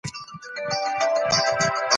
د چا حق بايد پاته نه سي.